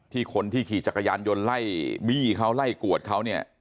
คนที่ขี่จักรยานยนต์ไล่บี้เขาไล่กวดเขาเนี่ย